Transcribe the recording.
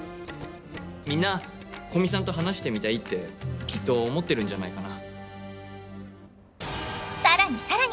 みんな古見さんと話してみたいってきっと思ってるんじゃないかな。